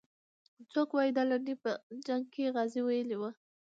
څوک وایي دا لنډۍ په جنګ کې غازي ویلې وه.